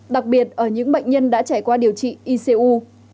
đặc biệt ở những bệnh nhân đã trải qua điều trị icu